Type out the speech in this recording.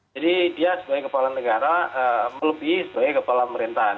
jadi dia sebagai kepala negara melebihi sebagai kepala pemerintahan